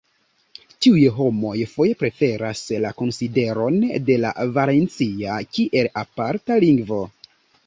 Tiuj homoj foje preferas la konsideron de la valencia kiel aparta lingvo.